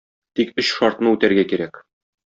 Тик өч шартны үтәргә кирәк.